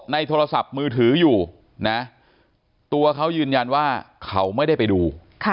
โทรศัพท์มือถืออยู่นะตัวเขายืนยันว่าเขาไม่ได้ไปดู